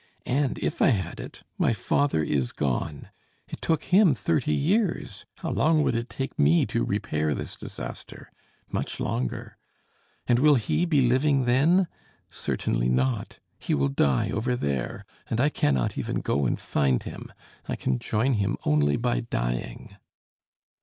And, if I had it, my father is gone. It took him thirty years, how long would it take me to repair this disaster? Much longer. And will he be living then? Certainly not; he will die over there, and I cannot even go and find him; I can join him only by dying."